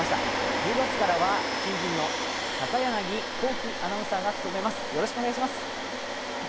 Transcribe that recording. １０月からは新人の高柳アナウンサーが務めます。